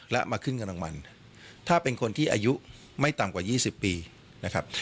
และมาขึ้นเงินรางวัลถ้าเป็นคนที่อายุไม่ต่ำกว่า๒๐ปีนะครับ